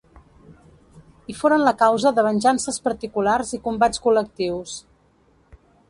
I foren la causa de venjances particulars i combats col·lectius.